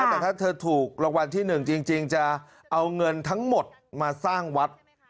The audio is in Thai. แต่ถ้าถูกรบรวมที่หนึ่งจริงจะเอาเงินทั้งหมดมาสร้างวัด